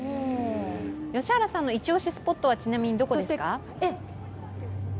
良原さんのいち押しスポットはちなみにどこですか？